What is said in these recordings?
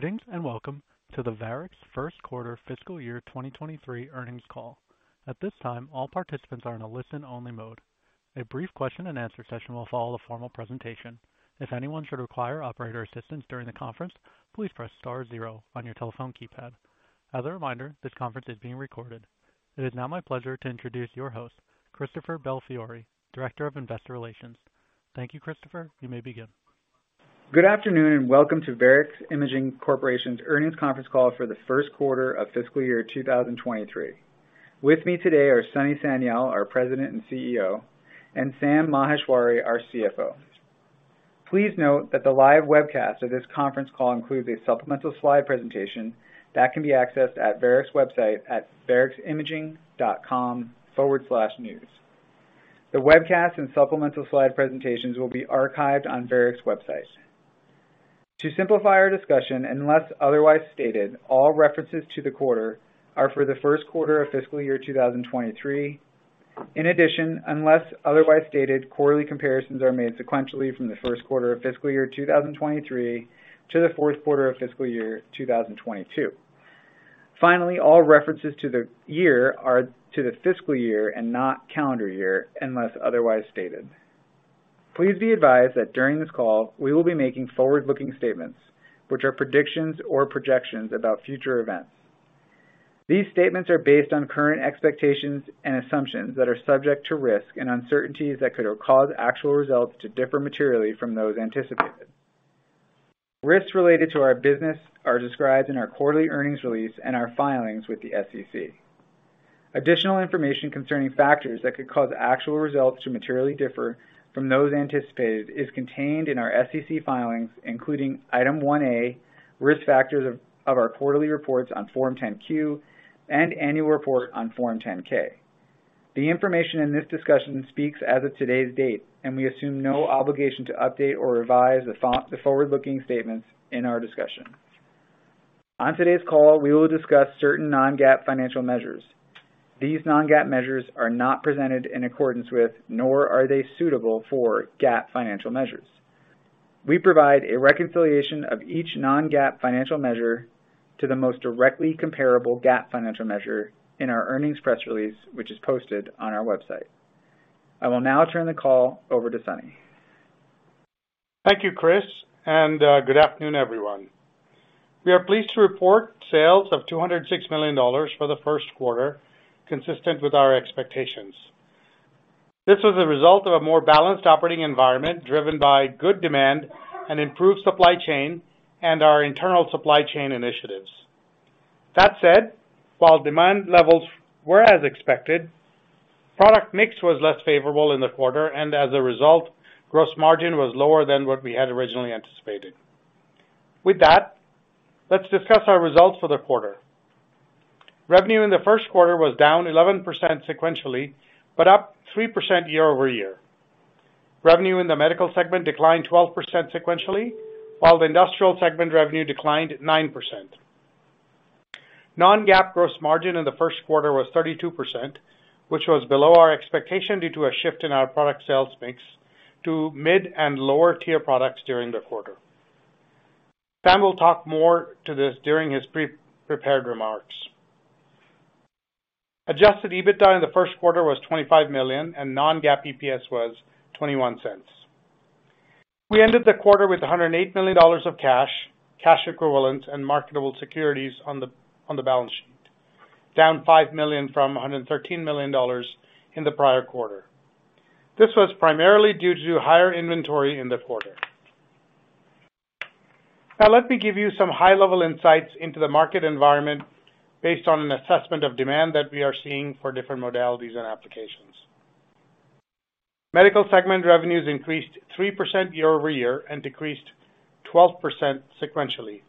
Greetings, welcome to the Varex's first quarter fiscal year 2023 earnings call. At this time, all participants are in a listen-only mode. A brief question and answer session will follow the formal presentation. If anyone should require operator assistance during the conference, please press star zero on your telephone keypad. As a reminder, this conference is being recorded. It is now my pleasure to introduce your host, Christopher Belfiore, Director of Investor Relations. Thank you, Christopher. You may begin. Good afternoon. Welcome to Varex Imaging Corporation's earnings conference call for the first quarter of fiscal year 2023. With me today are Sunny Sanyal, our President and CEO, and Sam Maheshwari, our CFO. Please note that the live webcast of this conference call includes a supplemental slide presentation that can be accessed at Varex's website at vareximaging.com/news. The webcast and supplemental slide presentations will be archived on Varex's website. To simplify our discussion, unless otherwise stated, all references to the quarter are for the first quarter of fiscal year 2023. Unless otherwise stated, quarterly comparisons are made sequentially from the first quarter of fiscal year 2023 to the fourth quarter of fiscal year 2022. All references to the year are to the fiscal year and not calendar year, unless otherwise stated. Please be advised that during this call, we will be making forward-looking statements, which are predictions or projections about future events. These statements are based on current expectations and assumptions that are subject to risk and uncertainties that could cause actual results to differ materially from those anticipated. Risks related to our business are described in our quarterly earnings release and our filings with the SEC. Additional information concerning factors that could cause actual results to materially differ from those anticipated is contained in our SEC filings, including Item 1A, Risk Factors of our quarterly reports on Form 10-Q and annual report on Form 10-K. The information in this discussion speaks as of today's date, and we assume no obligation to update or revise the forward-looking statements in our discussion. On today's call, we will discuss certain non-GAAP financial measures. These non-GAAP measures are not presented in accordance with, nor are they suitable for GAAP financial measures. We provide a reconciliation of each non-GAAP financial measure to the most directly comparable GAAP financial measure in our earnings press release, which is posted on our website. I will now turn the call over to Sunny. Thank you, Chris, good afternoon, everyone. We are pleased to report sales of $206 million for the first quarter, consistent with our expectations. This was a result of a more balanced operating environment driven by good demand and improved supply chain and our internal supply chain initiatives. That said, while demand levels were as expected, product mix was less favorable in the quarter, and as a result, gross margin was lower than what we had originally anticipated. With that, let's discuss our results for the quarter. Revenue in the first quarter was down 11% sequentially, but up 3% year-over-year. Revenue in the medical segment declined 12% sequentially, while the industrial segment revenue declined 9%. Non-GAAP gross margin in the first quarter was 32%, which was below our expectation due to a shift in our product sales mix to mid- and lower-tier products during the quarter. Sam will talk more to this during his pre-prepared remarks. Adjusted EBITDA in the first quarter was $25 million, and non-GAAP EPS was $0.21. We ended the quarter with $108 million of cash equivalents and marketable securities on the balance sheet, down $5 million from $113 million in the prior quarter. This was primarily due to higher inventory in the quarter. Let me give you some high-level insights into the market environment based on an assessment of demand that we are seeing for different modalities and applications. Medical segment revenues increased 3% year-over-year and decreased 12% sequentially.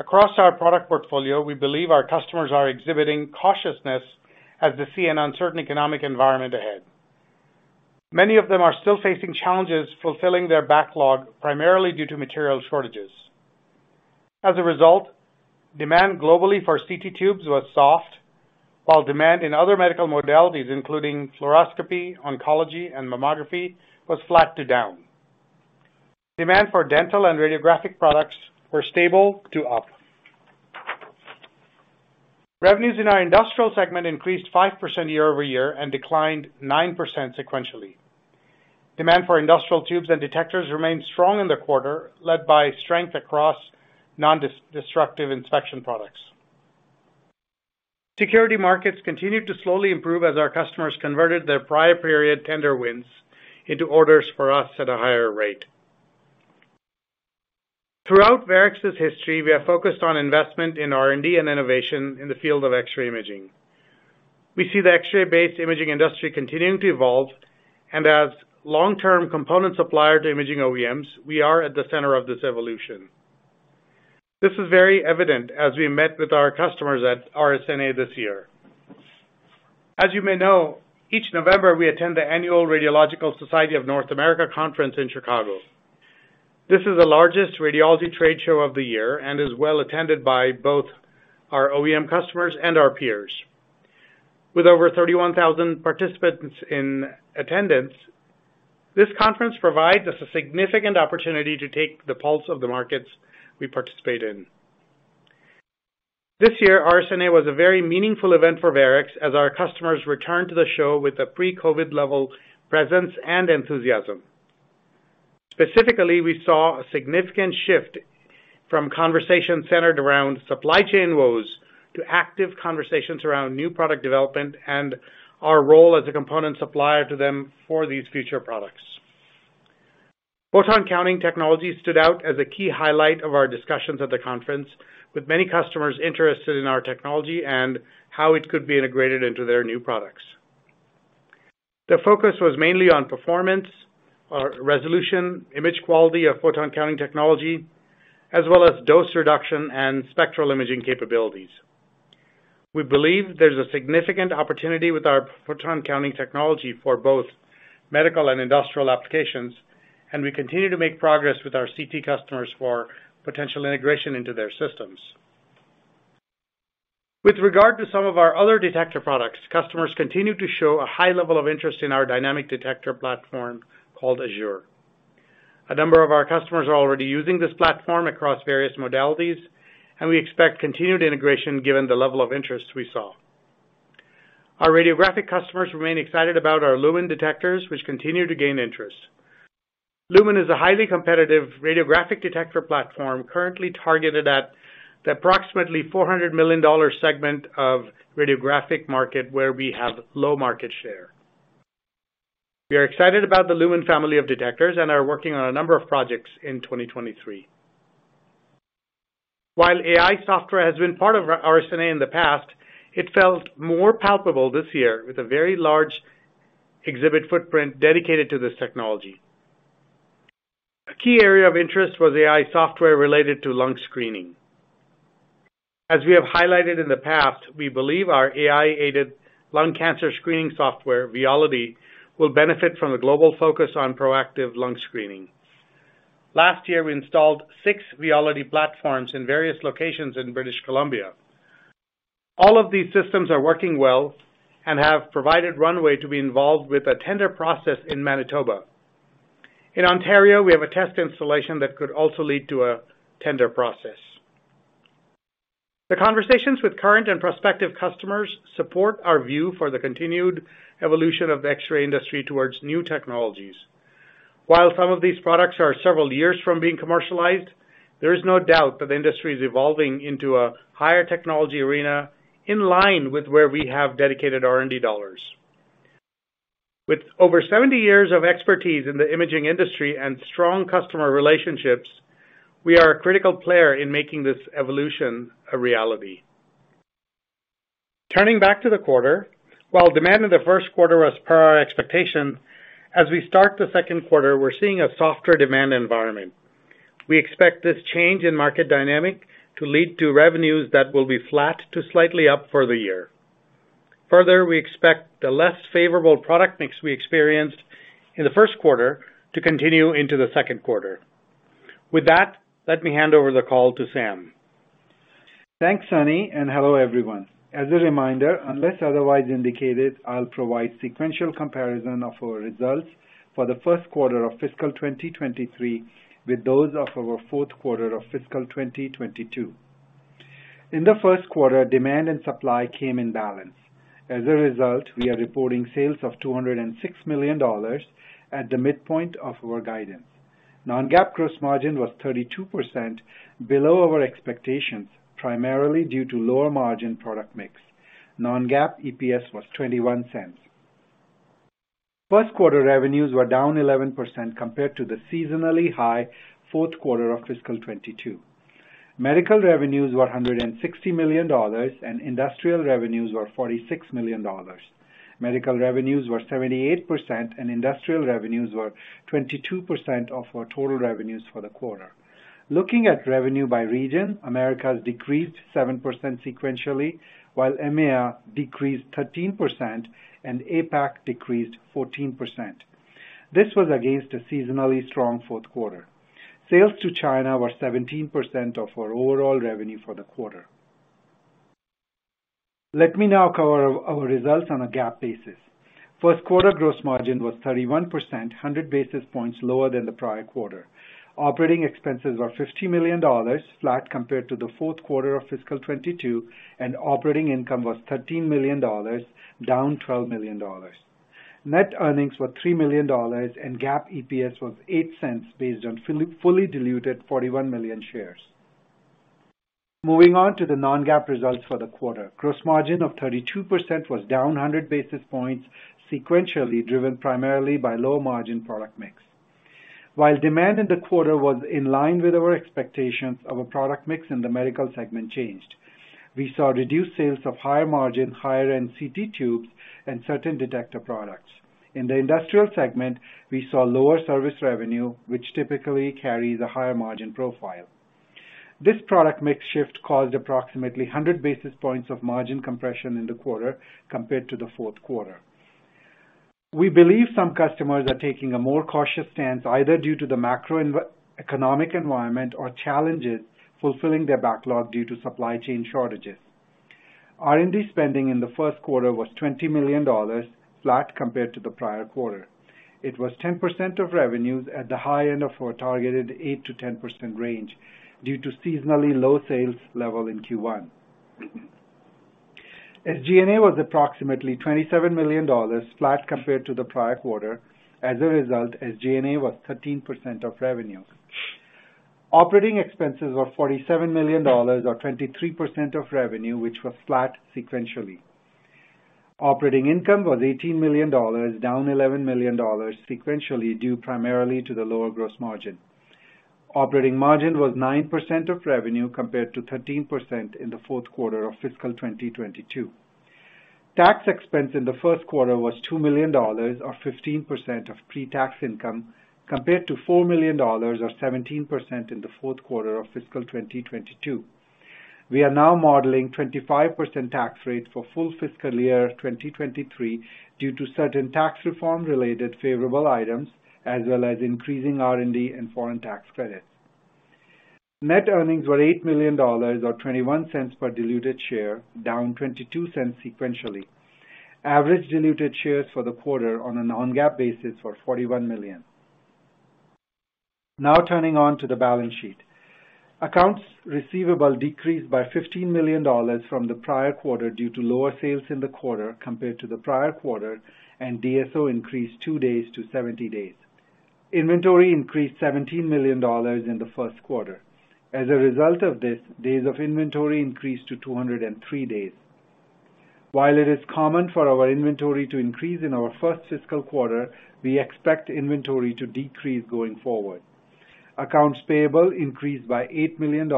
Across our product portfolio, we believe our customers are exhibiting cautiousness as they see an uncertain economic environment ahead. Many of them are still facing challenges fulfilling their backlog primarily due to material shortages. As a result, demand globally for CT tubes was soft, while demand in other medical modalities, including fluoroscopy, oncology, and mammography, was flat to down. Demand for dental and radiographic products were stable to up. Revenues in our industrial segment increased 5% year-over-year and declined 9% sequentially. Demand for industrial tubes and detectors remained strong in the quarter, led by strength across nondestructive inspection products. Security markets continued to slowly improve as our customers converted their prior period tender wins into orders for us at a higher rate. Throughout Varex's history, we focused on investment in R&D and innovation in the field of X-ray imaging. We see the X-ray-based imaging industry continuing to evolve. As long-term component supplier to imaging OEMs, we are at the center of this evolution. This is very evident as we met with our customers at RSNA this year. As you may know, each November, we attend the annual Radiological Society of North America conference in Chicago. This is the largest radiology trade show of the year and is well attended by both our OEM customers and our peers. With over 31,000 participants in attendance, this conference provides us a significant opportunity to take the pulse of the markets we participate in. This year, RSNA was a very meaningful event for Varex as our customers returned to the show with a pre-COVID level presence and enthusiasm. Specifically, we saw a significant shift from conversations centered around supply chain woes to active conversations around new product development and our role as a component supplier to them for these future products. Photon counting technology stood out as a key highlight of our discussions at the conference, with many customers interested in our technology and how it could be integrated into their new products. The focus was mainly on performance, or resolution, image quality of photon counting technology, as well as dose reduction and spectral imaging capabilities. We believe there's a significant opportunity with our photon counting technology for both medical and industrial applications, and we continue to make progress with our CT customers for potential integration into their systems. With regard to some of our other detector products, customers continue to show a high level of interest in our dynamic detector platform called Azure. A number of our customers are already using this platform across various modalities. We expect continued integration given the level of interest we saw. Our radiographic customers remain excited about our Lumen detectors, which continue to gain interest. Lumen is a highly competitive radiographic detector platform currently targeted at the approximately $400 million segment of radiographic market where we have low market share. We are excited about the Lumen family of detectors and are working on a number of projects in 2023. While AI software has been part of our RSNA in the past, it felt more palpable this year with a very large exhibit footprint dedicated to this technology. A key area of interest was AI software related to lung screening. As we have highlighted in the past, we believe our AI-aided lung cancer screening software, Veolity, will benefit from a global focus on proactive lung screening. Last year, we installed 6 Veolity platforms in various locations in British Columbia. All of these systems are working well and have provided runway to be involved with a tender process in Manitoba. In Ontario, we have a test installation that could also lead to a tender process. The conversations with current and prospective customers support our view for the continued evolution of the X-ray industry towards new technologies. While some of these products are several years from being commercialized, there is no doubt that the industry is evolving into a higher technology arena in line with where we have dedicated R&D dollars. With over 70 years of expertise in the imaging industry and strong customer relationships, we are a critical player in making this evolution a reality. Turning back to the quarter, while demand in the first quarter was per our expectations, as we start the second quarter, we're seeing a softer demand environment. We expect this change in market dynamic to lead to revenues that will be flat to slightly up for the year. Further, we expect the less favorable product mix we experienced in the first quarter to continue into the second quarter. With that, let me hand over the call to Sam. Thanks, Sunny, and hello, everyone. As a reminder, unless otherwise indicated, I'll provide sequential comparison of our results for the first quarter of fiscal 2023 with those of our fourth quarter of fiscal 2022. In the first quarter, demand and supply came in balance. As a result, we are reporting sales of $206 million at the midpoint of our guidance. non-GAAP gross margin was 32% below our expectations, primarily due to lower margin product mix. non-GAAP EPS was $0.21. First quarter revenues were down 11% compared to the seasonally high fourth quarter of fiscal 2022. Medical revenues were $160 million, and industrial revenues were $46 million. Medical revenues were 78%, and industrial revenues were 22% of our total revenues for the quarter. Looking at revenue by region, Americas decreased 7% sequentially, while EMEA decreased 13%, and APAC decreased 14%. This was against a seasonally strong fourth quarter. Sales to China were 17% of our overall revenue for the quarter. Let me now cover our results on a GAAP basis. First quarter gross margin was 31%, 100 basis points lower than the prior quarter. Operating expenses were $50 million, flat compared to the fourth quarter of fiscal 2022, and operating income was $13 million, down $12 million. Net earnings were $3 million, and GAAP EPS was $0.08 based on fully diluted 41 million shares. Moving on to the non-GAAP results for the quarter. Gross margin of 32% was down 100 basis points sequentially, driven primarily by lower margin product mix. While demand in the quarter was in line with our expectations, our product mix in the medical segment changed. We saw reduced sales of higher margin, higher-end CT tubes and certain detector products. In the industrial segment, we saw lower service revenue, which typically carries a higher margin profile. This product mix shift caused approximately 100 basis points of margin compression in the quarter compared to the fourth quarter. We believe some customers are taking a more cautious stance either due to the macroeconomic environment or challenges fulfilling their backlog due to supply chain shortages. R&D spending in the first quarter was $20 million, flat compared to the prior quarter. It was 10% of revenues at the high end of our targeted 8%-10% range due to seasonally low sales levels in Q1. SG&A was approximately $27 million, flat compared to the prior quarter. As a result, SG&A was 13% of revenue. Operating expenses were $47 million or 23% of revenue, which was flat sequentially. Operating income was $18 million, down $11 million sequentially, due primarily to the lower gross margin. Operating margin was 9% of revenue compared to 13% in the fourth quarter of fiscal 2022. Tax expense in the first quarter was $2 million, or 15% of pre-tax income, compared to $4 million or 17% in the fourth quarter of fiscal 2022. We are now modeling 25% tax rate for full fiscal year 2023 due to certain tax reform related favorable items as well as increasing R&D and foreign tax credits. Net earnings were $8 million, or $0.21 per diluted share, down $0.22 sequentially. Average diluted shares for the quarter on a non-GAAP basis were 41 million. Turning on to the balance sheet. Accounts receivable decreased by $15 million from the prior quarter due to lower sales in the quarter compared to the prior quarter, and DSO increased 2 days to 70 days. Inventory increased $17 million in the first quarter. As a result of this, days of inventory increased to 203 days. While it is common for our inventory to increase in our first fiscal quarter, we expect inventory to decrease going forward. Accounts payable increased by $8 million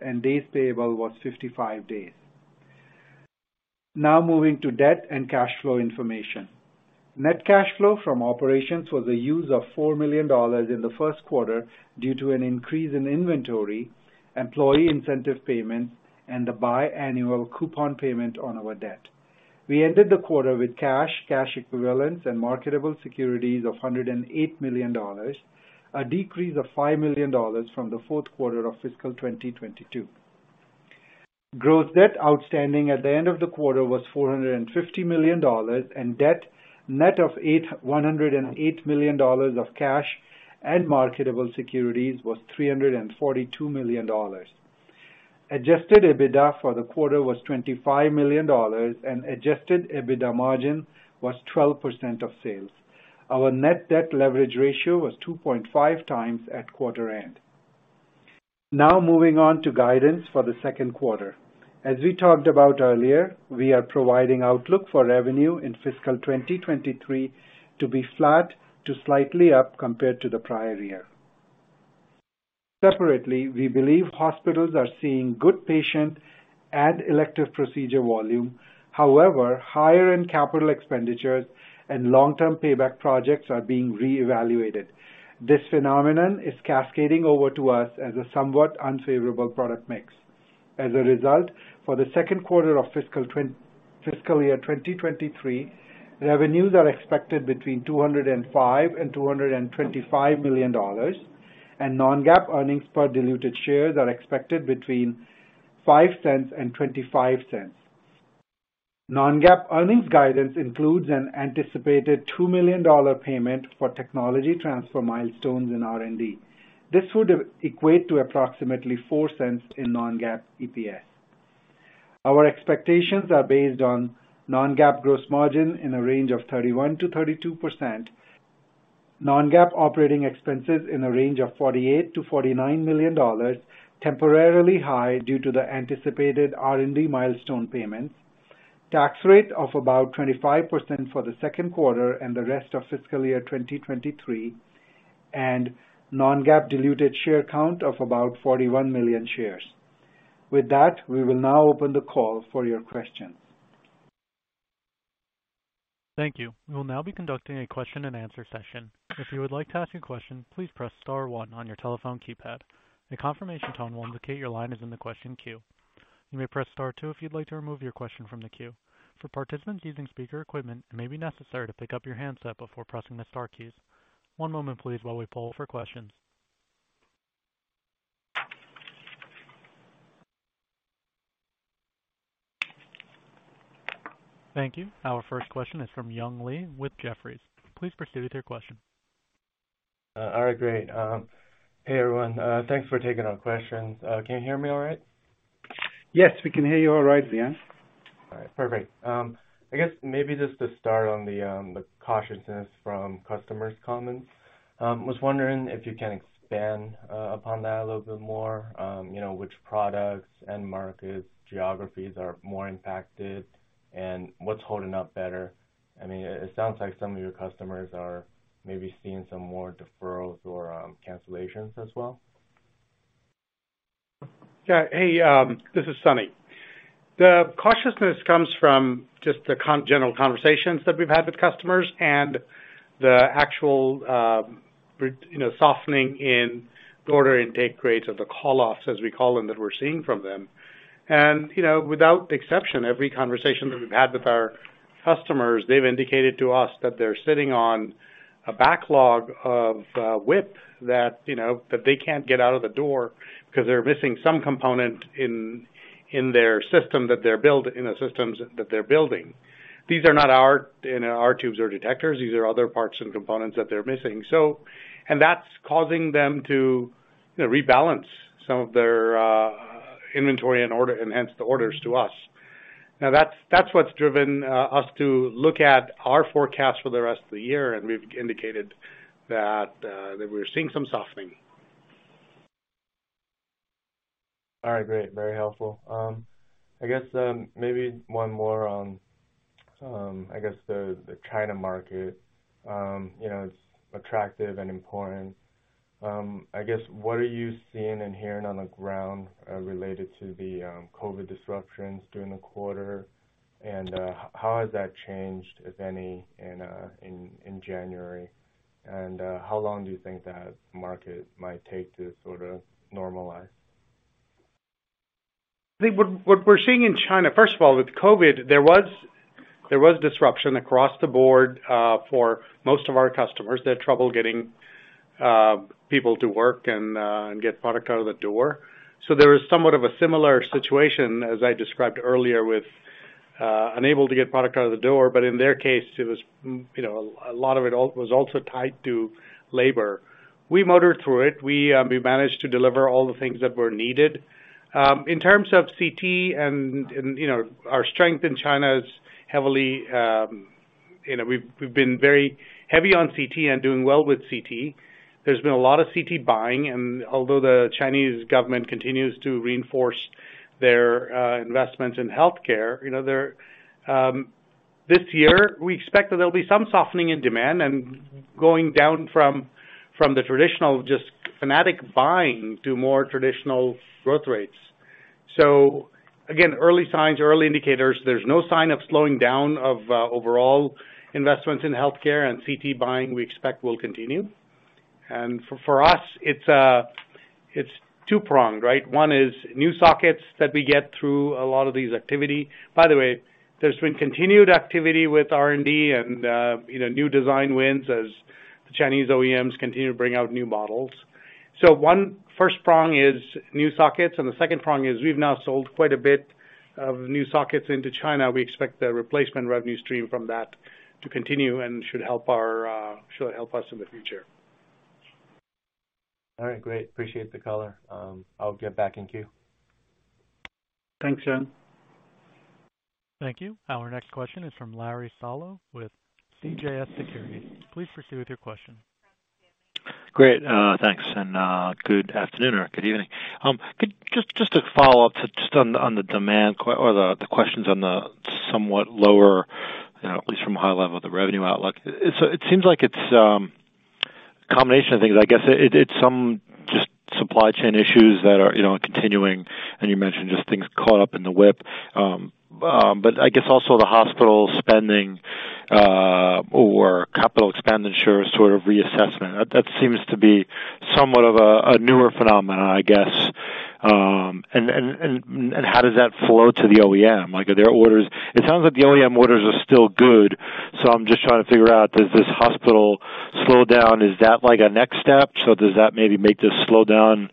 and days payable was 55 days. Moving to debt and cash flow information. Net cash flow from operations was a use of $4 million in the first quarter due to an increase in inventory, employee incentive payments, and a biannual coupon payment on our debt. We ended the quarter with cash equivalents, and marketable securities of $108 million, a decrease of $5 million from the fourth quarter of fiscal 2022. Gross debt outstanding at the end of the quarter was $450 million. Debt net of $108 million of cash and marketable securities was $342 million. Adjusted EBITDA for the quarter was $25 million. Adjusted EBITDA margin was 12% of sales. Our net debt leverage ratio was 2.5x at quarter end. Moving on to guidance for the second quarter. As we talked about earlier, we are providing outlook for revenue in fiscal 2023 to be flat to slightly up compared to the prior year. Separately, we believe hospitals are seeing good patient and elective procedure volume. Higher end capital expenditures and long-term payback projects are being reevaluated. This phenomenon is cascading over to us as a somewhat unfavorable product mix. For the second quarter of fiscal year 2023, revenues are expected between $205 million and $225 million, and non-GAAP earnings per diluted shares are expected between $0.05 and $0.25. Non-GAAP earnings guidance includes an anticipated $2 million payment for technology transfer milestones in R&D. This would equate to approximately $0.04 in non-GAAP EPS. Our expectations are based on non-GAAP gross margin in a range of 31%–32%, non-GAAP operating expenses in a range of $48 million–$49 million, temporarily high due to the anticipated R&D milestone payments, tax rate of about 25% for the second quarter and the rest of fiscal year 2023, and non-GAAP diluted share count of about 41 million shares. With that, we will now open the call for your questions. Thank you. We will now be conducting a question and answer session. If you would like to ask a question, please press star one on your telephone keypad. A confirmation tone will indicate your line is in the question queue. You may press star two if you'd like to remove your question from the queue. For participants using speaker equipment, it may be necessary to pick up your handset before pressing the star keys. One moment please while we poll for questions. Thank you. Our first question is from Young Li with Jefferies. Please proceed with your question. All right, great. Hey, everyone. Thanks for taking our questions. Can you hear me all right? Yes, we can hear you all right, Young. All right, perfect. I guess maybe just to start on the cautiousness from customers comments, was wondering if you can expand upon that a little bit more, you know, which products and markets, geographies are more impacted and what's holding up better. I mean, it sounds like some of your customers are maybe seeing some more deferrals or cancellations as well. Yeah. Hey, this is Sunny. The cautiousness comes from just the general conversations that we've had with customers and the actual, you know, softening in the order intake rates or the call-offs, as we call them, that we're seeing from them. You know, without exception, every conversation that we've had with our customers, they've indicated to us that they're sitting on a backlog of WIP that, you know, that they can't get out of the door because they're missing some component in their system in the systems that they're building. These are not our, you know, our tubes or detectors. These are other parts and components that they're missing. That's causing them to, you know, rebalance some of their inventory and order, enhance the orders to us. Now that's what's driven us to look at our forecast for the rest of the year. We've indicated that we're seeing some softening. All right, great. Very helpful. I guess, maybe one more on, I guess the China market. You know, it's attractive and important. I guess, what are you seeing and hearing on the ground, related to the COVID disruptions during the quarter? How has that changed, if any, in January? How long do you think that market might take to sort of normalize? I think what we're seeing in China, first of all, with COVID, there was disruption across the board, for most of our customers. They had trouble getting people to work and get product out of the door. There was somewhat of a similar situation as I described earlier with unable to get product out of the door. In their case, it was, you know, a lot of it was also tied to labor. We motored through it. We managed to deliver all the things that were needed. In terms of CT and, you know, our strength in China is heavily, you know, we've been very heavy on CT and doing well with CT. There's been a lot of CT buying. Although the Chinese government continues to reinforce their investment in healthcare, you know, they're. This year, we expect that there'll be some softening in demand and going down from the traditional just fanatic buying to more traditional growth rates. Again, early signs or early indicators, there's no sign of slowing down of overall investments in healthcare and CT buying we expect will continue. For us, it's a, it's two-pronged, right? One is new sockets that we get through a lot of these activity. By the way, there's been continued activity with R&D and, you know, new design wins as the Chinese OEMs continue to bring out new models. One first prong is new sockets, and the second prong is we've now sold quite a bit of new sockets into China. We expect the replacement revenue stream from that to continue and should help our, should help us in the future. All right, great. Appreciate the color. I'll get back in queue. Thanks, Young. Thank you. Our next question is from Larry Solow with CJS Securities. Please proceed with your question. Great. Thanks, and good afternoon or good evening. Just to follow up on the questions on the somewhat lower, you know, at least from a high level, the revenue outlook. It seems like it's a combination of things, I guess. It's some just supply chain issues that are, you know, continuing, and you mentioned just things caught up in the WIP. I guess also the hospital spending or capital spend ensures sort of reassessment. That seems to be somewhat of a newer phenomena, I guess. How does that flow to the OEM? It sounds like the OEM orders are still good, I'm just trying to figure out, does this hospital slow down, is that like a next step? Does that maybe make this slow down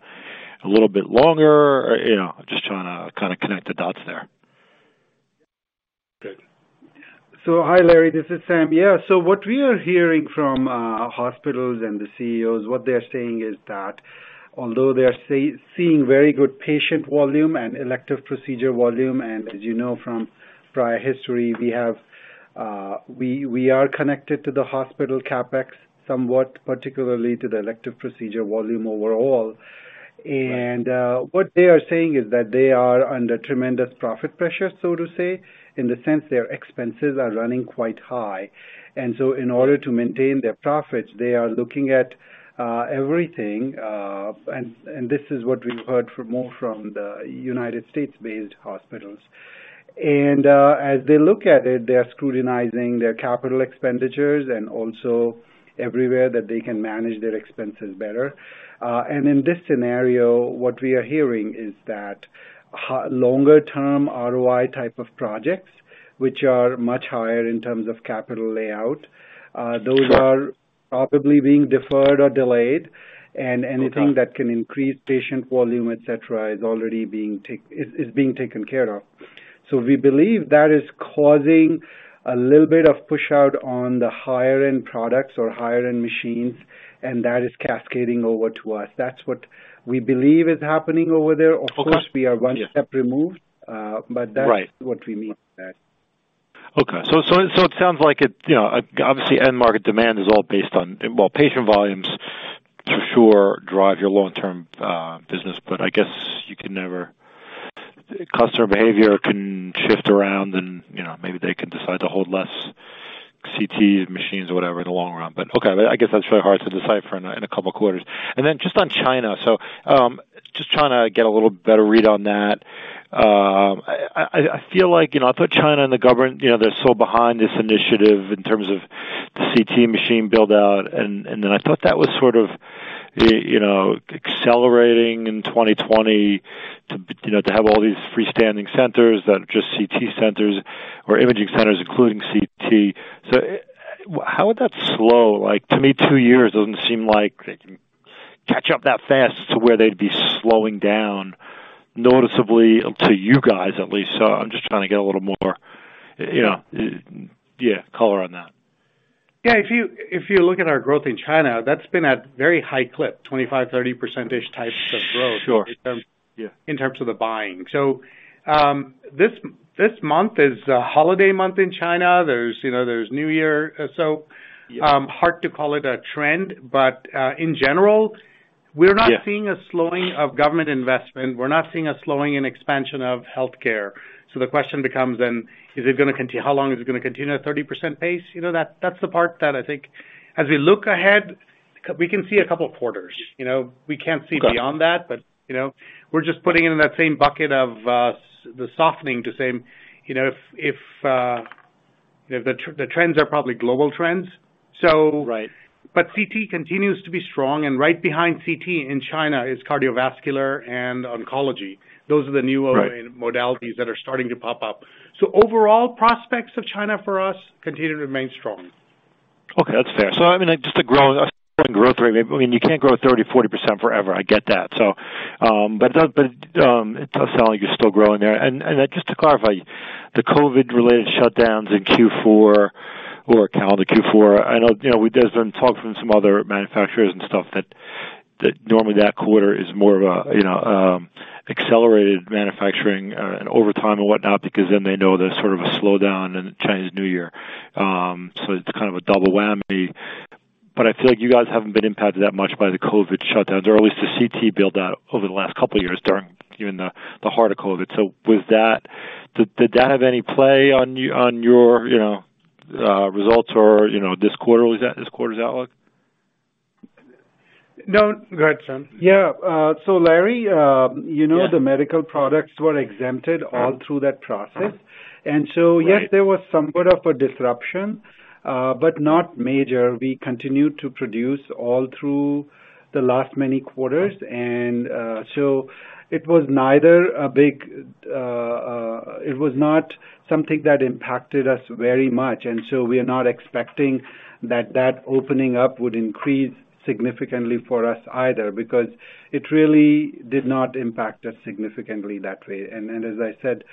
a little bit longer? Or, you know, just trying to kind of connect the dots there. Good. Hi, Larry, this is Sam. Yeah. What we are hearing from hospitals and the CEOs, what they're saying is that although they are seeing very good patient volume and elective procedure volume, as you know from prior history, we have, we are connected to the hospital CapEx somewhat, particularly to the elective procedure volume overall. What they are saying is that they are under tremendous profit pressure, so to say, in the sense their expenses are running quite high. In order to maintain their profits, they are looking at everything, and this is what we've heard from more from the United States-based hospitals. As they look at it, they're scrutinizing their capital expenditures and also everywhere that they can manage their expenses better. In this scenario, what we are hearing is that longer-term ROI type of projects, which are much higher in terms of capital layout, those are probably being deferred or delayed, and anything that can increase patient volume, et cetera, is already being taken care of. We believe that is causing a little bit of push-out on the higher-end products or higher-end machines, and that is cascading over to us. That's what we believe is happening over there. Of course, we are one step removed, but that's what we mean by that. Okay. It sounds like it, you know, obviously end market demand is all based on, well, patient volumes for sure drive your long-term business, but I guess you can never. Customer behavior can shift around and, you know, maybe they can decide to hold less CT machines or whatever in the long run. Okay, I guess that's very hard to decipher. In a couple of quarters. Just on China. Just trying to get a little better read on that. I feel like, you know, I put China and the government, you know, they're so behind this initiative in terms of the CT machine build-out. I thought that was sort of, you know, accelerating in 2020 to you know, to have all these freestanding centers that are just CT centers or imaging centers, including CT. How would that slow? Like, to me, 2 years doesn't seem like they can catch up that fast to where they'd be slowing down noticeably to you guys at least. I'm just trying to get a little more, you know, yeah, color on that. Yeah. If you look at our growth in China, that's been at very high clip, 25, 30 %-ish types of growth. Sure. Yeah. in terms of the buying. This month is a holiday month in China. There's, you know, there's New Year. Yeah... hard to call it a trend, but, in general- Yeah... we're not seeing a slowing of government investment. We're not seeing a slowing in expansion of healthcare. The question becomes, how long is it gonna continue at 30% pace? You know, that's the part that I think as we look ahead, we can see a couple of quarters, you know? We can't see- Got it.... beyond that, you know, we're just putting in that same bucket of the softening to say, you know, if, you know, the trends are probably global trends. Right CT continues to be strong, and right behind CT in China is cardiovascular and oncology. Those are the new-. Right... modalities that are starting to pop up. Overall, prospects of China for us continue to remain strong. Okay. That's fair. I mean, just a growing growth rate. I mean, you can't grow 30%, 40% forever. I get that. But it does sound like you're still growing there. Just to clarify, the COVID-related shutdowns in Q4 or calendar Q4, I know, you know, we did some talk from some other manufacturers and stuff that normally that quarter is more of a, you know, accelerated manufacturing and over time and whatnot, because then they know there's sort of a slowdown in Chinese New Year. So it's kind of a double whammy. But I feel like you guys haven't been impacted that much by the COVID shutdowns or at least the CT build-out over the last couple of years during even the heart of COVID. Did that have any play on your, you know, results or, you know, this quarter or this quarter's outlook? No. Go ahead, Sam. Yeah. Larry, you know- Yeah... the medical products were exempted all through that process. Right yes, there was somewhat of a disruption, but not major. We continued to produce all through the last many quarters. So it was not something that impacted us very much. We are not expecting that that opening up would increase significantly for us either because it really did not impact us significantly that way. As I said,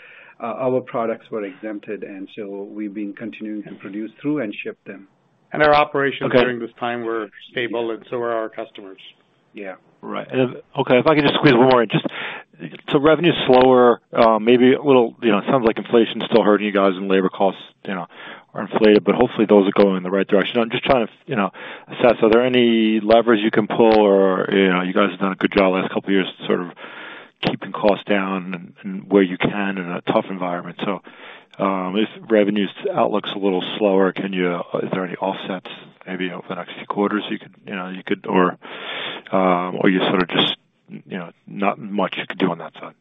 our products were exempted, and so we've been continuing to produce through and ship them. Our operations. Okay... during this time were stable, and so were our customers. Yeah. Right. Okay, if I can just squeeze one more in. Just revenue's slower, maybe a little. You know, it sounds like inflation is still hurting you guys and labor costs, you know, are inflated, but hopefully those are going in the right direction. I'm just trying to, you know, assess, are there any levers you can pull? Or, you know, you guys have done a good job the last couple of years sort of keeping costs down and where you can in a tough environment. If revenues outlook's a little slower, are there any offsets maybe over the next few quarters you could, you know, or you sort of just, you know, not much you could do on that side?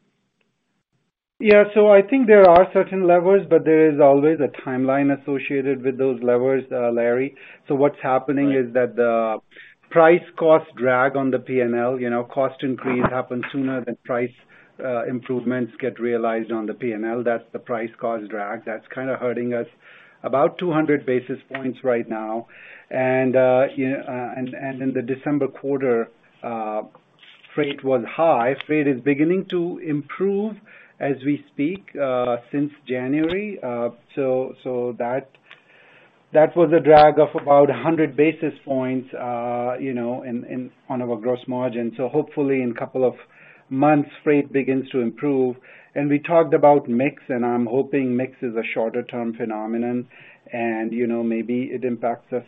Yeah. I think there are certain levers, but there is always a timeline associated with those levers, Larry. Right is that the price cost drag on the P&L, you know, cost increase happens sooner than price, improvements get realized on the P&L. That's the price cost drag. That's kind of hurting us about 200 basis points right now. In the December quarter, freight was high. Freight is beginning to improve as we speak, since January. So that was a drag of about 100 basis points, you know, on our gross margin. Hopefully in a couple of months, freight begins to improve. We talked about mix, and I'm hoping mix is a shorter-term phenomenon. You know, maybe it impacts us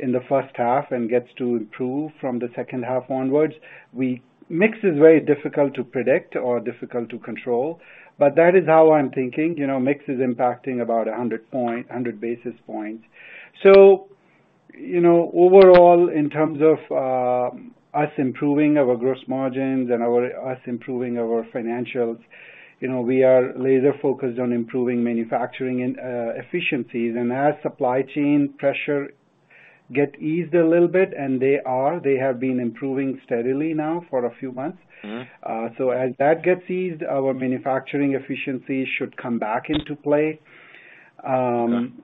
in the first half and gets to improve from the second half onwards. Mix is very difficult to predict or difficult to control, but that is how I'm thinking. You know, mix is impacting about 100 basis points. Overall, in terms of us improving our gross margins and us improving our financials, you know, we are laser focused on improving manufacturing and efficiencies. As supply chain pressure get eased a little bit, and they are, they have been improving steadily now for a few months. Mm-hmm. As that gets eased, our manufacturing efficiencies should come back into play. Mm-hmm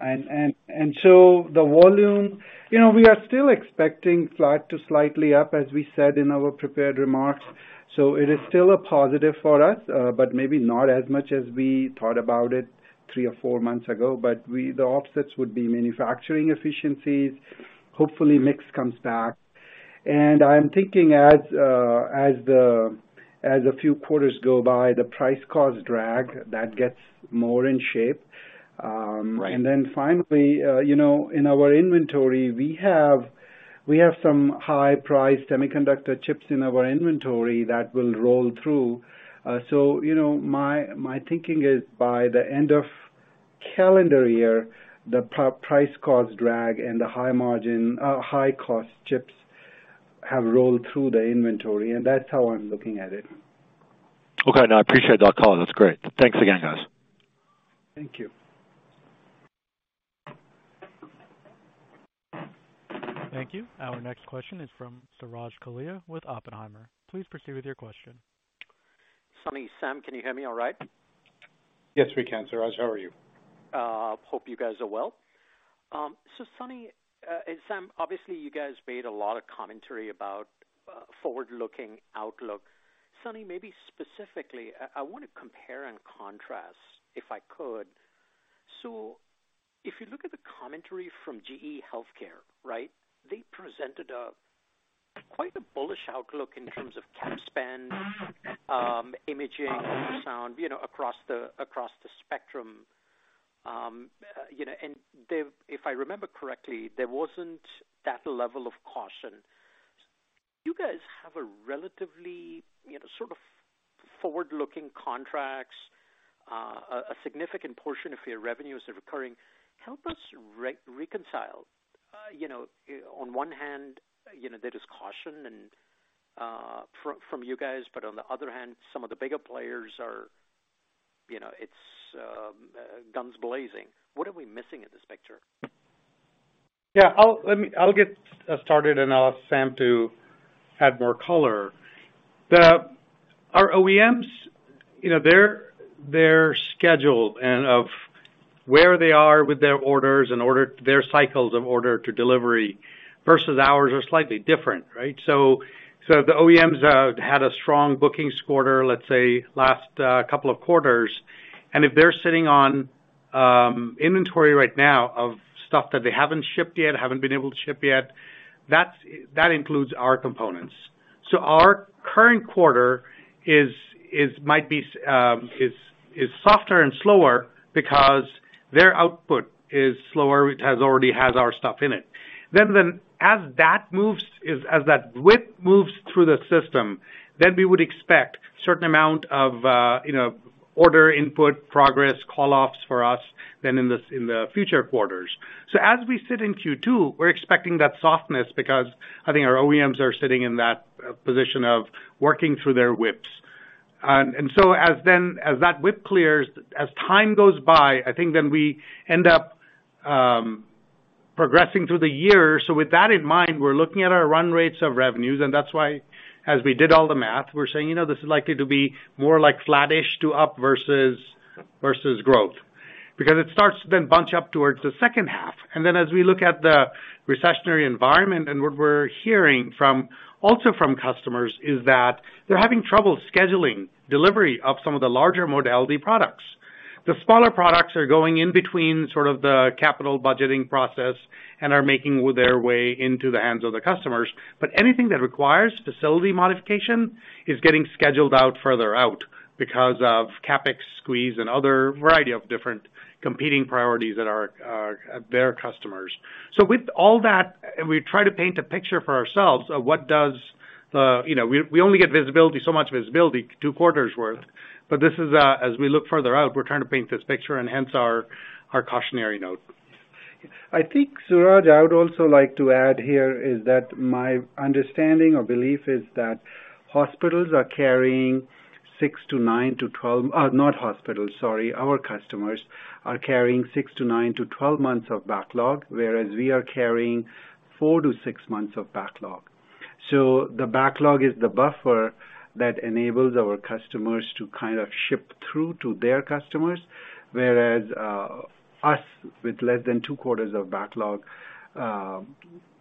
The volume, you know, we are still expecting flat to slightly up, as we said in our prepared remarks. It is still a positive for us, but maybe not as much as we thought about it 3 or 4 months ago. The offsets would be manufacturing efficiencies. Hopefully, mix comes back. I'm thinking as a few quarters go by, the price cost drag, that gets more in shape. Right... Then finally, you know, in our inventory, we have some high-priced semiconductor chips in our inventory that will roll through. You know, my thinking is by the end of Calendar year, the pro-price cause drag and the high margin, high cost chips have rolled through the inventory. That's how I'm looking at it. Okay. No, I appreciate that call. That's great. Thanks again, guys. Thank you. Thank you. Our next question is from Suraj Kalia with Oppenheimer. Please proceed with your question. Sunny, Sam, can you hear me all right? Yes, we can, Suraj. How are you? Hope you guys are well. Sunny and Sam, obviously, you guys made a lot of commentary about forward-looking outlook. Sunny, maybe specifically, I wanna compare and contrast, if I could. If you look at the commentary from GE HealthCare, right? They presented a quite a bullish outlook in terms of CapEx, imaging, ultrasound, you know, across the, across the spectrum. You know, and they've if I remember correctly, there wasn't that level of caution. You guys have a relatively, you know, sort of forward-looking contracts. A significant portion of your revenues are recurring. Help us reconcile. You know, on one hand, you know, there is caution and from you guys, but on the other hand, some of the bigger players are, you know, it's guns blazing. What are we missing in this picture? Yeah, I'll get us started, I'll ask Sam to add more color. Our OEMs, you know, their schedule and of where they are with their orders and order their cycles of order to delivery versus ours are slightly different, right? The OEMs had a strong bookings quarter, let's say, last couple of quarters. If they're sitting on inventory right now of stuff that they haven't shipped yet, haven't been able to ship yet, that includes our components. Our current quarter is might be softer and slower because their output is slower, which has already has our stuff in it. As that moves, as that WIP moves through the system, then we would expect certain amount of, you know, order input, progress, call offs for us in the future quarters. As we sit in Q2, we're expecting that softness because I think our OEMs are sitting in that position of working through their WIPs. As that WIP clears, as time goes by, I think then we end up progressing through the year. With that in mind, we're looking at our run rates of revenues, and that's why as we did all the math, we're saying, "You know, this is likely to be more like flattish to up versus growth." Because it starts to then bunch up towards the second half. As we look at the recessionary environment and what we're hearing from, also from customers, is that they're having trouble scheduling delivery of some of the larger modality products. The smaller products are going in between sort of the capital budgeting process and are making their way into the hands of the customers. Anything that requires facility modification is getting scheduled out further out because of CapEx squeeze and other variety of different competing priorities that are their customers. With all that, and we try to paint a picture for ourselves of what does the... You know, we only get visibility, so much visibility, 2 quarters worth. This is, as we look further out, we're trying to paint this picture and hence our cautionary note. I think, Suraj, I would also like to add here is that my understanding or belief is that hospitals are carrying six to nine to 12. Not hospitals, sorry, our customers are carrying six to nine to 12 months of backlog, whereas we are carrying four to six months of backlog. The backlog is the buffer that enables our customers to kind of ship through to their customers, whereas us, with less than 2 quarters of backlog,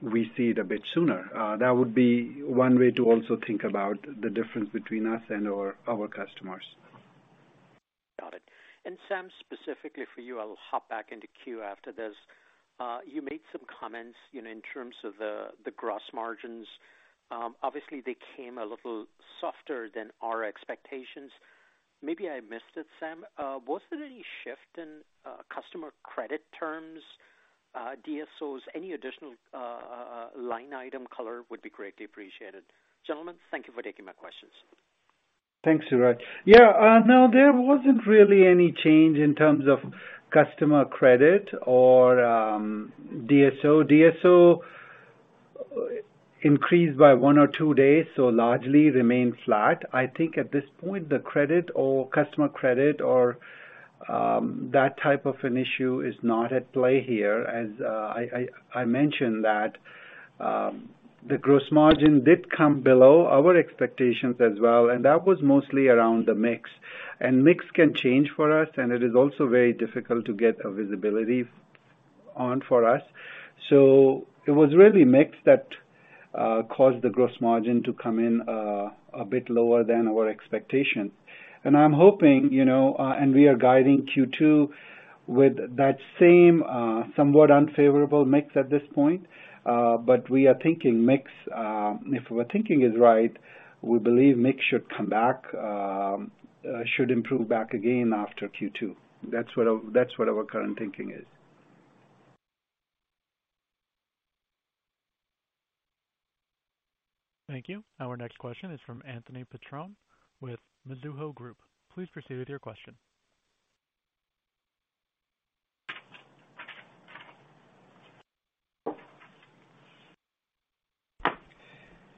we see it a bit sooner. That would be 1 way to also think about the difference between us and our customers. Got it. Sam, specifically for you, I'll hop back into queue after this. You made some comments, you know, in terms of the gross margins. Obviously, they came a little softer than our expectations. Maybe I missed it, Sam. Was there any shift in customer credit terms, DSOs? Any additional line item color would be greatly appreciated. Gentlemen, thank you for taking my questions. Thanks, Suraj. Yeah, no, there wasn't really any change in terms of customer credit or DSO. DSO increased by one or two days, largely remained flat. I think at this point, the credit or customer credit or that type of an issue is not at play here. I mentioned that the gross margin did come below our expectations as well, that was mostly around the mix. Mix can change for us, it is also very difficult to get a visibility on for us. It was really mix that caused the gross margin to come in a bit lower than our expectation. I'm hoping, you know, we are guiding Q2 with that same somewhat unfavorable mix at this point. We are thinking mix, if our thinking is right, we believe mix should come back, should improve back again after Q2. That's what our current thinking is. Thank you. Our next question is from Anthony Petrone with Mizuho Group. Please proceed with your question.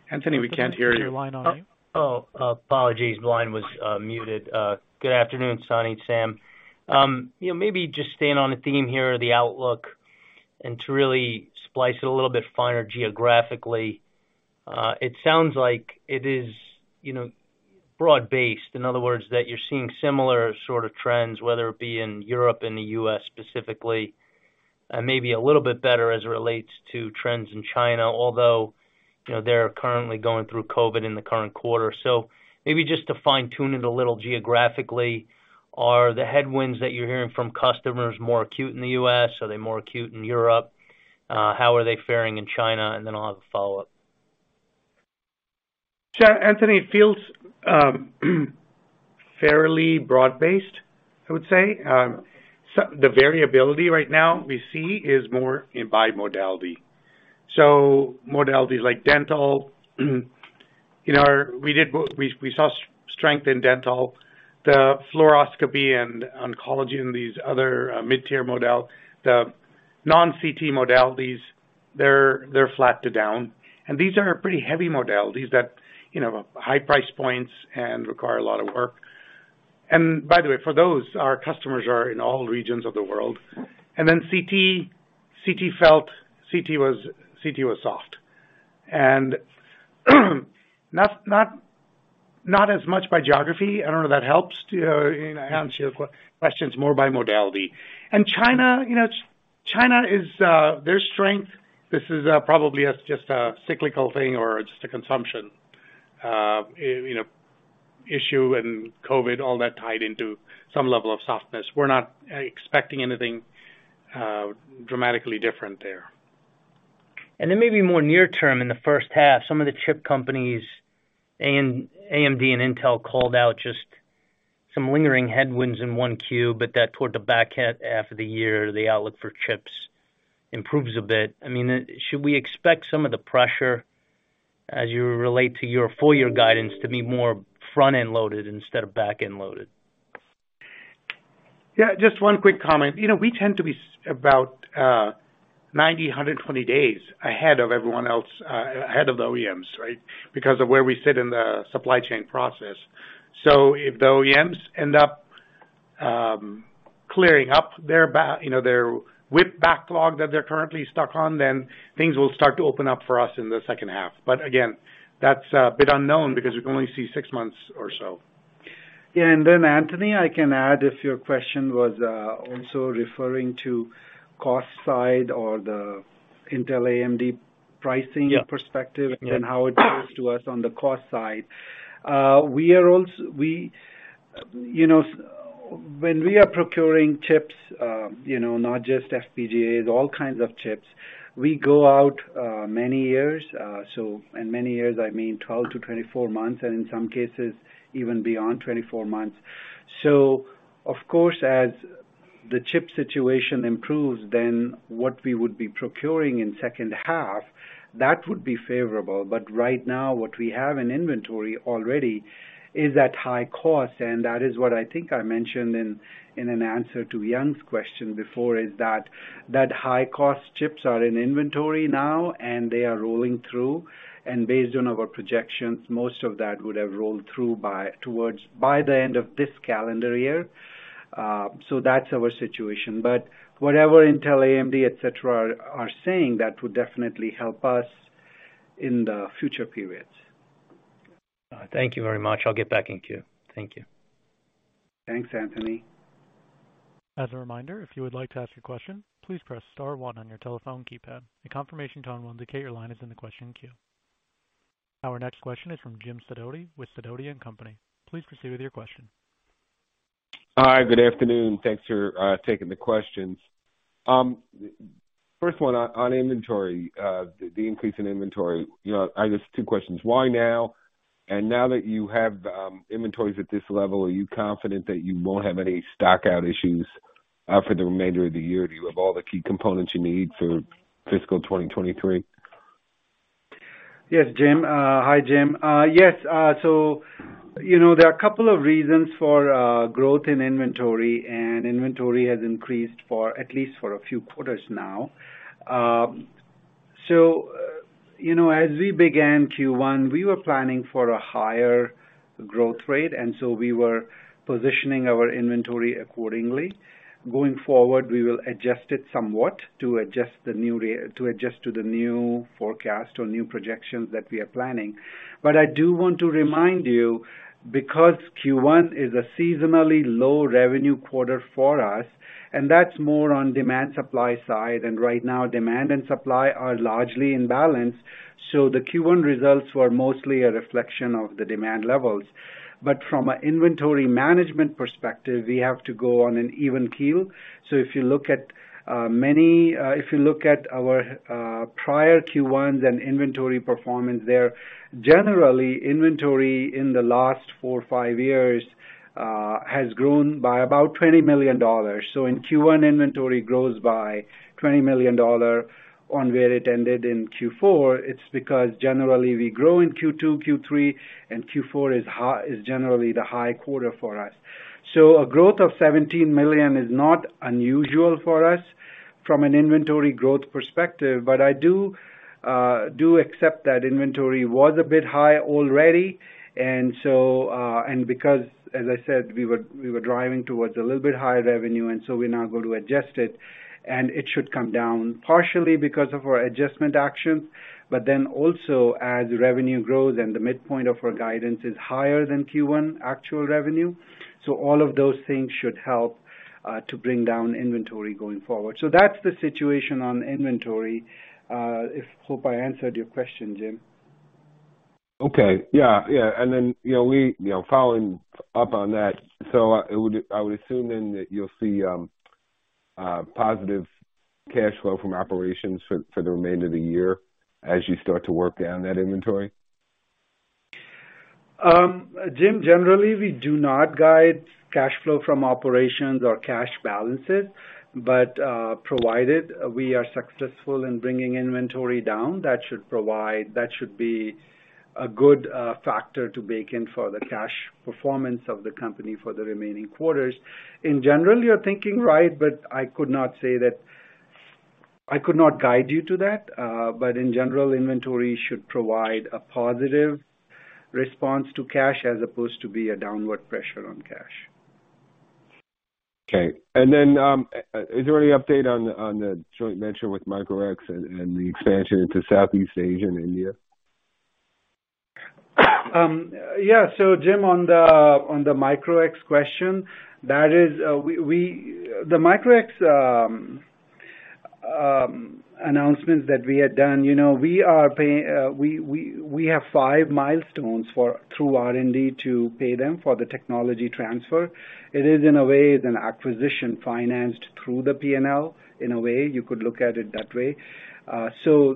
Anthony, we can't hear you. Is your line on? Oh, apologies. Line was muted. Good afternoon, Sunny, Sam. You know, maybe just staying on the theme here of the outlook and to really splice it a little bit finer geographically. It sounds like it is, you know, broad-based. In other words, that you're seeing similar sort of trends, whether it be in Europe and the U.S. specifically, maybe a little bit better as it relates to trends in China, although, you know, they're currently going through COVID in the current quarter. Maybe just to fine-tune it a little geographically, are the headwinds that you're hearing from customers more acute in the U.S.? Are they more acute in Europe? How are they faring in China? Then I'll have a follow-up. Sure, Anthony. It feels fairly broad-based, I would say. The variability right now we see is more in by modality. Modalities like dental, you know, we saw strength in dental, the fluoroscopy and oncology and these other mid-tier modal. The non-CT modalities, they're flat to down. These are pretty heavy modalities that, you know, high price points and require a lot of work. By the way, for those, our customers are in all regions of the world. Then CT was soft. Not as much by geography. I don't know if that helps to enhance your questions more by modality? China, you know, China is, their strength, this is, probably as just a cyclical thing or just a consumption, you know, issue and COVID, all that tied into some level of softness. We're not expecting anything, dramatically different there. Maybe more near term in the first half, some of the chip companies, AMD and Intel called out just some lingering headwinds in 1 Q, but that toward the back half of the year, the outlook for chips improves a bit. I mean, should we expect some of the pressure as you relate to your full year guidance to be more front-end loaded instead of back-end loaded? Yeah, just one quick comment. You know, we tend to be about 90, 120 days ahead of everyone else, ahead of the OEMs, right? Because of where we sit in the supply chain process. If the OEMs end up clearing up their, you know, their WIP backlog that they're currently stuck on, then things will start to open up for us in the second half. Again, that's a bit unknown because we can only see 6 months or so. Yeah, Anthony, I can add if your question was also referring to cost side or the Intel AMD pricing- Yeah. perspective and how it goes to us on the cost side. We, you know, when we are procuring chips, you know, not just FPGAs, all kinds of chips, we go out many years, I mean, 12 to 24 months, and in some cases, even beyond 24 months. Of course, as the chip situation improves, then what we would be procuring in second half, that would be favorable. Right now what we have in inventory already is at high cost, and that is what I think I mentioned in an answer to Young's question before, is that high cost chips are in inventory now and they are rolling through. Based on our projections, most of that would have rolled through by the end of this calendar year. That's our situation. Whatever Intel, AMD, et cetera, are saying, that would definitely help us in the future periods. Thank you very much. I'll get back in queue. Thank you. Thanks, Anthony. As a reminder, if you would like to ask a question, please press star one on your telephone keypad. A confirmation tone will indicate your line is in the question queue. Our next question is from Jim Sidoti with Sidoti & Company. Please proceed with your question. Hi, good afternoon. Thanks for taking the questions. First one on inventory, the increase in inventory. You know, I guess two questions. Why now? Now that you have inventories at this level, are you confident that you won't have any stock out issues for the remainder of the year? Do you have all the key components you need for fiscal 2023? Yes, Jim. Hi, Jim. Yes. You know, there are a couple of reasons for growth in inventory. Inventory has increased for at least a few quarters now. You know, as we began Q1, we were planning for a higher growth rate. We were positioning our inventory accordingly. Going forward, we will adjust it somewhat to adjust to the new forecast or new projections that we are planning. I do want to remind you, because Q1 is a seasonally low revenue quarter for us. That's more on demand supply side. Right now demand and supply are largely in balance. The Q1 results were mostly a reflection of the demand levels. From an inventory management perspective, we have to go on an even keel. If you look at our prior Q1s and inventory performance there, generally, inventory in the last 4 or 5 years has grown by about $20 million. When Q1 inventory grows by $20 million on where it ended in Q4, it's because generally we grow in Q2, Q3, and Q4 is generally the high quarter for us. A growth of $17 million is not unusual for us from an inventory growth perspective, but I do accept that inventory was a bit high already. Because, as I said, we were driving towards a little bit higher revenue. We're now going to adjust it. It should come down partially because of our adjustment actions. Also as revenue grows and the midpoint of our guidance is higher than Q1 actual revenue. All of those things should help to bring down inventory going forward. That's the situation on inventory. Hope I answered your question, Jim. Okay. Yeah. Yeah. You know, we, you know, following up on that, I would assume then that you'll see positive cash flow from operations for the remainder of the year as you start to work down that inventory. Jim, generally we do not guide cash flow from operations or cash balances, but provided we are successful in bringing inventory down, that should be a good factor to bake in for the cash performance of the company for the remaining quarters. In general, you're thinking right, but I could not guide you to that. In general, inventory should provide a positive response to cash as opposed to be a downward pressure on cash. Okay. Is there any update on the joint venture with Micro-X and the expansion into Southeast Asia and India? Yeah. Jim, on the Micro-X question, that is, The Micro-X announcements that we had done, you know, we have 5 milestones through R&D to pay them for the technology transfer. It is in a way is an acquisition financed through the P&L in a way. You could look at it that way.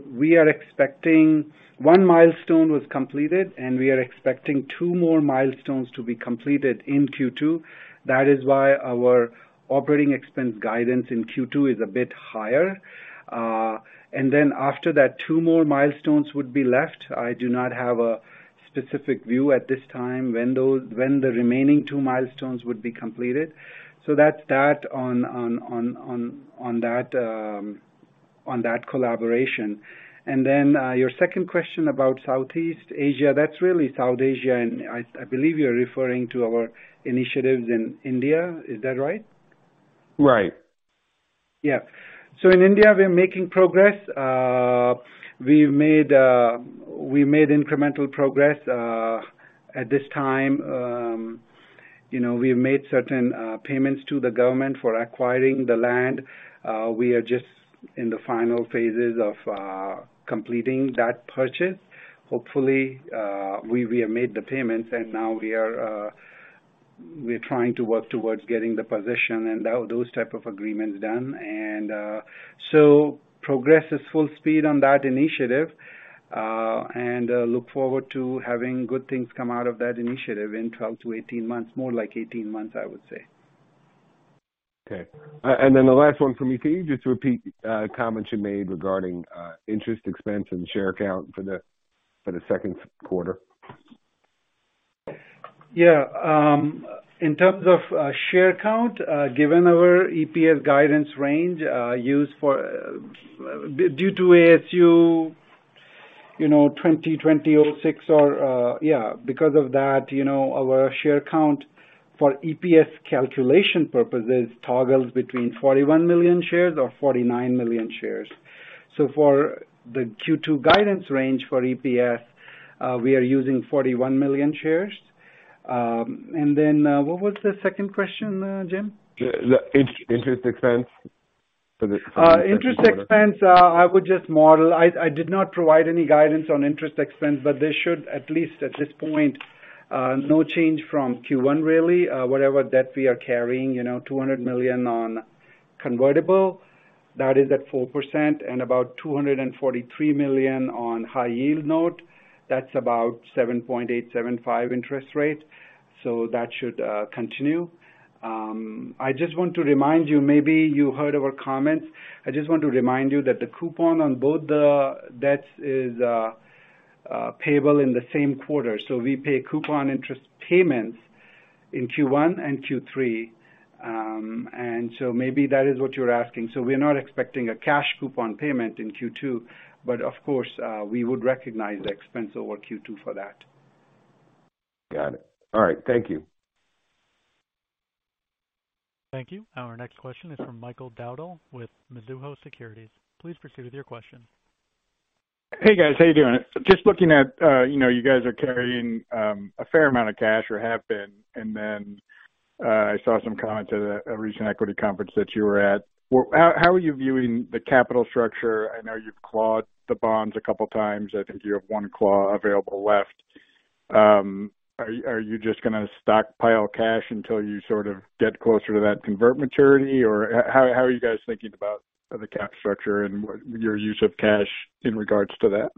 We are expecting, 1 milestone was completed, and we are expecting 2 more milestones to be completed in Q2. That is why our operating expense guidance in Q2 is a bit higher. Then after that, 2 more milestones would be left. I do not have a specific view at this time when the remaining 2 milestones would be completed. That's that on that collaboration. Your second question about Southeast Asia, that's really South Asia, and I believe you're referring to our initiatives in India. Is that right? Right. In India, we are making progress. We've made incremental progress at this time. You know, we have made certain payments to the government for acquiring the land. We are just in the final phases of completing that purchase. Hopefully, we have made the payments and now we are trying to work towards getting the position and those type of agreements done. Progress is full speed on that initiative and look forward to having good things come out of that initiative in 12 to 18 months. More like 18 months, I would say. Okay. The last one for me. Can you just repeat comments you made regarding interest expense and share count for the second quarter? Yeah. In terms of share count, given our EPS guidance range, used for due to ASU, you know, 2026 or, yeah. Because of that, you know, our share count for EPS calculation purposes toggles between 41 million shares or 49 million shares. For the Q2 guidance range for EPS, we are using 41 million shares. What was the second question, Jim? The interest expense for the second quarter. Interest expense, I would just model. I did not provide any guidance on interest expense, but this should at least at this point, no change from Q1 really. Whatever debt we are carrying, you know, $200 million on convertible, that is at 4% and about $243 million on high yield note, that's about 7.875% interest rate. That should continue. I just want to remind you, maybe you heard our comments. I just want to remind you that the coupon on both the debts is payable in the same quarter. We pay coupon interest payments in Q1 and Q3. Maybe that is what you're asking. We are not expecting a cash coupon payment in Q2, but of course, we would recognize the expense over Q2 for that. Got it. All right. Thank you. Thank you. Our next question is from Michael Doud with Mizuho Securities. Please proceed with your question. Hey, guys. How you doing? Just looking at, you know, you guys are carrying a fair amount of cash or have been. I saw some comments at a recent equity conference that you were at. How, how are you viewing the capital structure? I know you've called the bonds a couple of times. I think you have one call available left. Are you just gonna stockpile cash until you sort of get closer to that convert maturity? How, how are you guys thinking about the cap structure and your use of cash in regards to that?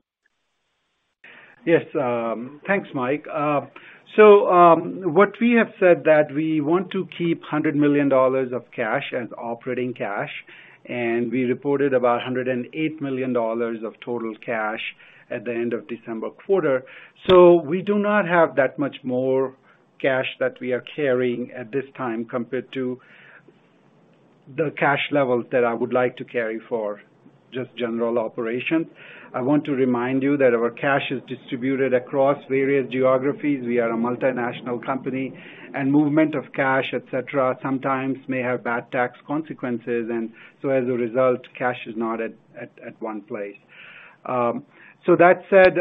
Yes. thanks, Mike. what we have said that we want to keep $100 million of cash as operating cash, and we reported about $108 million of total cash at the end of December quarter. We do not have that much more cash that we are carrying at this time compared to the cash levels that I would like to carry for just general operations. I want to remind you that our cash is distributed across various geographies. We are a multinational company, and movement of cash, et cetera, sometimes may have bad tax consequences. As a result, cash is not at one place. That said,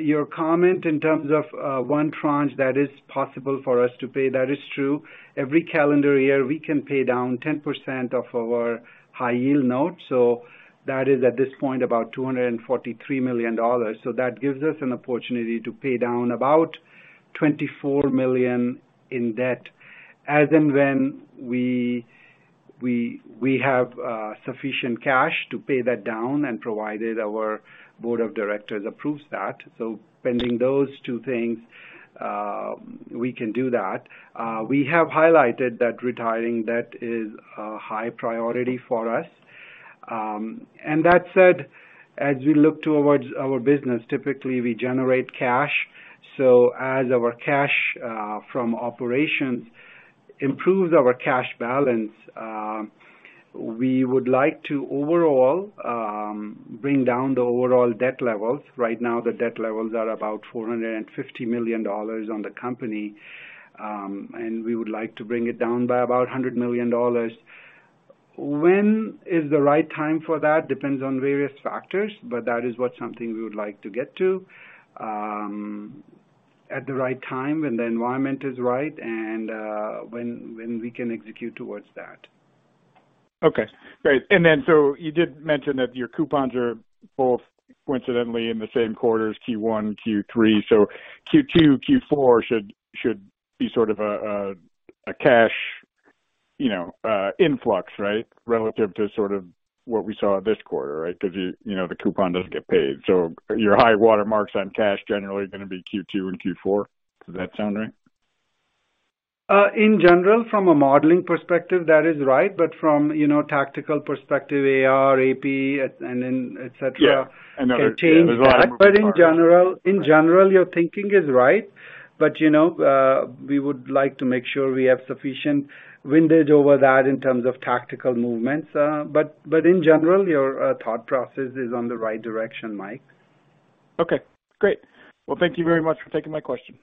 your comment in terms of 1 tranche that is possible for us to pay, that is true. Every calendar year, we can pay down 10% of our high yield notes. That is, at this point, about $243 million. That gives us an opportunity to pay down about $24 million in debt as and when we have sufficient cash to pay that down and provided our board of directors approves that. Pending those two things, we can do that. We have highlighted that retiring, that is a high priority for us. That said, as we look towards our business, typically we generate cash. As our cash from operations improves our cash balance, we would like to overall bring down the overall debt levels. Right now, the debt levels are about $450 million on the company. We would like to bring it down by about $100 million. When is the right time for that? Depends on various factors, that is what something we would like to get to at the right time, when the environment is right and when we can execute towards that. Okay, great. You did mention that your coupons are both coincidentally in the same quarters, Q1, Q3. Q2, Q4 should be sort of a cash, you know, influx, right? Relative to sort of what we saw this quarter, right? Because you know, the coupon doesn't get paid. Your high water marks on cash generally gonna be Q2 and Q4. Does that sound right? In general, from a modeling perspective, that is right. From, you know, tactical perspective, AR, AP and then et cetera. Yeah. Can change that. That's what I was- In general, your thinking is right. You know, we would like to make sure we have sufficient windage over that in terms of tactical movements. In general, your thought process is on the right direction, Mike. Okay, great. Well, thank you very much for taking my question.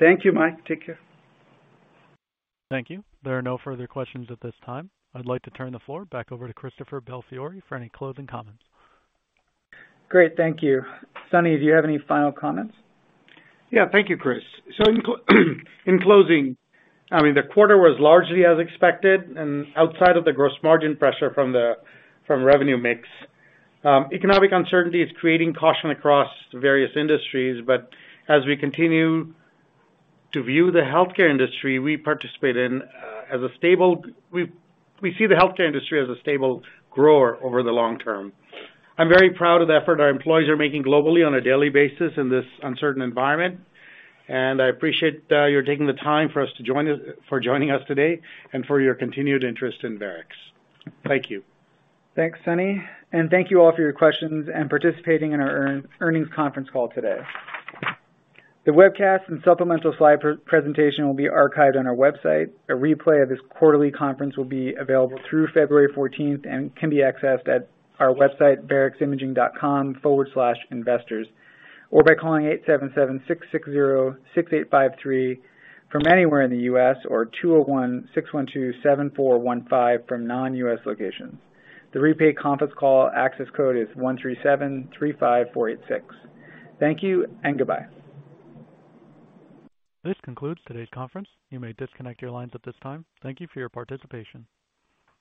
Thank you, Mike. Take care. Thank you. There are no further questions at this time. I'd like to turn the floor back over to Christopher Belfiore for any closing comments. Great. Thank you. Sunny, do you have any final comments? Thank you, Chris. In closing, I mean, the quarter was largely as expected and outside of the gross margin pressure from the revenue mix. Economic uncertainty is creating caution across various industries. As we continue to view the healthcare industry we participate in, we see the healthcare industry as a stable grower over the long term. I'm very proud of the effort our employees are making globally on a daily basis in this uncertain environment. I appreciate your taking the time for joining us today and for your continued interest in Varex. Thank you. Thanks, Sunny. Thank you all for your questions and participating in our earnings conference call today. The webcast and supplemental slide presentation will be archived on our website. A replay of this quarterly conference will be available through February 14th and can be accessed at our website, vareximaging.com/investors, or by calling 877-660-6853 from anywhere in the U.S., or 201-612-7415 from non-U.S. locations. The replay conference call access code is 137-35486. Thank you and goodbye. This concludes today's conference. You may disconnect your lines at this time. Thank you for your participation.